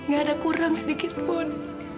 gak ada kurang sedikit pun